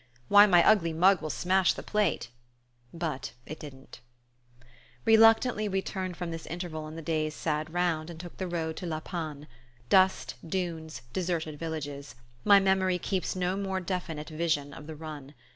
Why, my ugly mug will smash the plate!" But it didn't Reluctantly we turned from this interval in the day's sad round, and took the road to La Panne. Dust, dunes, deserted villages: my memory keeps no more definite vision of the run.